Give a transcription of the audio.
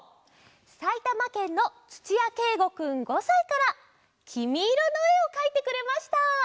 さいたまけんのつちやけいごくん５さいから「きみイロ」のえをかいてくれました。